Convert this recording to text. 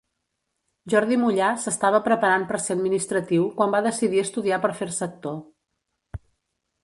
Jordi Mollà s'estava preparant per ser administratiu quan va decidir estudiar per fer-se actor.